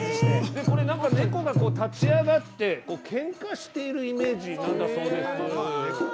これ、猫が立ち上がってケンカしているイメージなんだそうです。